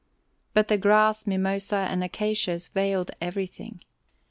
But the grass, mimosa, and acacias veiled everything.